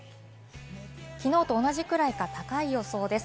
昨日と同じくらいか、高い予想です。